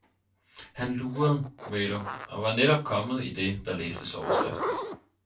han lurede, ved du, og var netop kommet idet der læstes overskriften.